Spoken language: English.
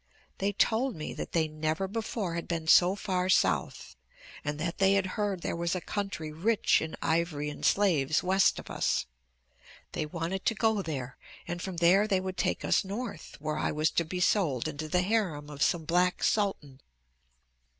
They told me that they never before had been so far south and that they had heard there was a country rich in ivory and slaves west of us. They wanted to go there and from there they would take us north, where I was to be sold into the harem of some black sultan.